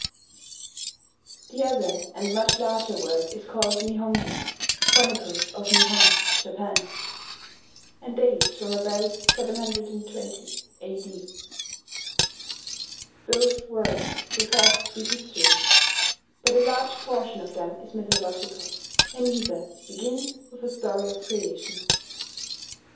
The other and much larger work is called Nihongi, "Chronicles of Nihon [Japan]," and dates from about 720 A.D. Both works profess to be histories; but a large portion of them is mythological, and either begins with a story of creation.